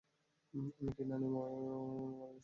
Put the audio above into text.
উনি ও কি নানির মরে গেছে?